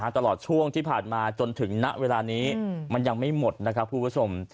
ตลอดช่วงที่ผ่านมาจนถึงณเวลานี้มันยังไม่หมดนะครับคุณผู้ชม